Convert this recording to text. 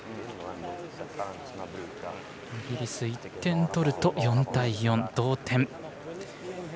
イギリス１点取ると４対４同点。